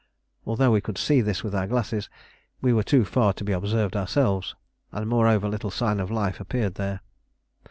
Although we could see this with our glasses, we were too far to be observed ourselves, and moreover little sign of life appeared there.